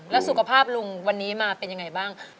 แล้วสุขภาพลุงวันนี้มาเป็นยังไงบ้าง